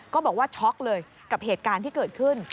บอกว่าช็อกเลยกับเหตุการณ์ที่เกิดขึ้น